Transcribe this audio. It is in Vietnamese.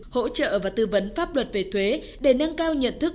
hỗ trợ và tư vấn pháp luật về thuế để nâng cao nhận thức